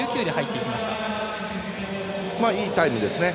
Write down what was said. いいタイムですね。